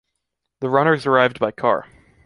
The runners arrived by car.